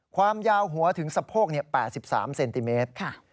ความยาวหัวถึงสะโพก๘๓เซนติเมตร